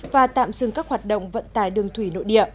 và tạm dừng các hoạt động vận tải đường thủy nội địa